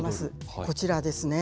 こちらですね。